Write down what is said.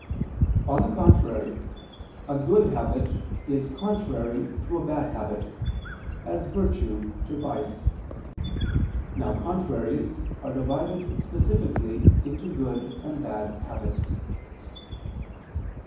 On the contrary, A good habit is contrary to a bad habit, as virtue to vice. Now contraries are divided specifically into good and bad habits.